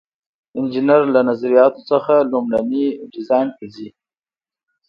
انجینر له نظریاتو څخه لومړني ډیزاین ته ځي.